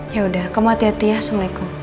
yaudah kamu hati hati ya assalamualaikum